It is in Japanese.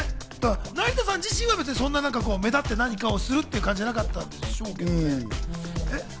成田さん自身はそんな目立って何かをするって感じじゃなかったんですって。